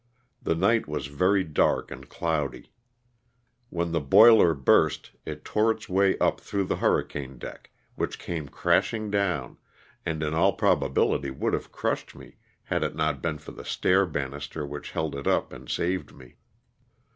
The night was very dark and cloudy. When the boiler burst it tore its way up through the hurricane deck, which came crashing down, and in all probability would have crushed me had it not been for the stair banister which held it up and saved me.